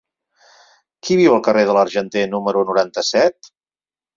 Qui viu al carrer de l'Argenter número noranta-set?